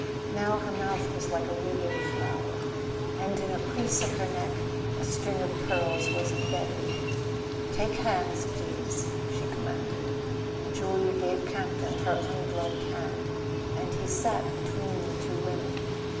Now her mouth was like a withered flower, and in a crease of her neck a string of pearls was embedded. "Take hands, please," she commanded. Julia gave Campton her ungloved hand, and he sat between the two women.